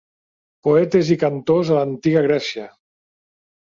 Poetes i cantors a l'antiga Grècia.